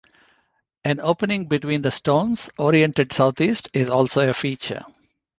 An opening between the stones, oriented south east is also a feature.